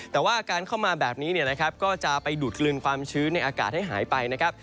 แต่ว่าการเข้ามาแบบนี้เนี่ยนะครับก็จะไปดูดกลืนความชื้นในอากาศให้หายไปนะครับ